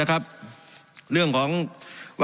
การปรับปรุงทางพื้นฐานสนามบิน